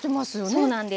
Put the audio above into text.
そうなんです。